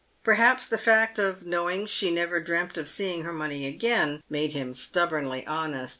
Perhaps the fact of knowing she never dreamt of seeing her money again, made him stubbornly honest.